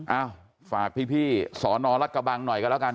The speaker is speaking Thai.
เอ้าฝากพี่สอนอรัฐกระบังหน่อยกันแล้วกัน